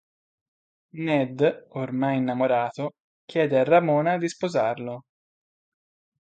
Ned, ormai innamorato, chiede a Ramona di sposarlo.